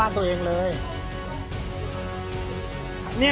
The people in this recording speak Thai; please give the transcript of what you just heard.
อัศวินไทย